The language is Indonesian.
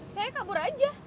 saya kabur aja